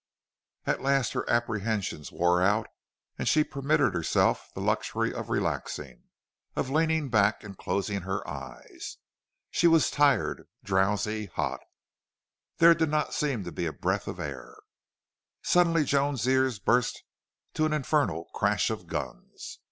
At last her apprehensions wore out and she permitted herself the luxury of relaxing, of leaning back and closing her eyes. She was tired, drowsy, hot. There did not seem to be a breath of air. Suddenly Joan's ears burst to an infernal crash of guns.